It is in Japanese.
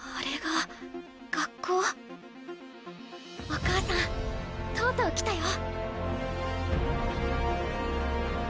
お母さんとうとう来たよ。